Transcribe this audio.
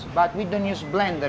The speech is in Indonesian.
tapi kami tidak menggunakan blender